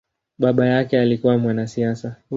Baba yake alikua mwanasiasa.